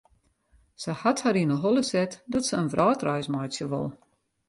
Sy hat har yn 'e holle set dat se in wrâldreis meitsje wol.